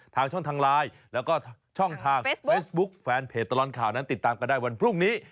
ทางช่องทางไลน์แล้วก็ช่องทางเฟซบุ๊คแฟนเพจตลอดข่าวนั้นติดตามกันได้วันพรุ่งนี้